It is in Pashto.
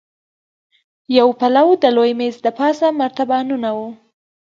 يو پلو د لوی مېز دپاسه مرتبانونه وو.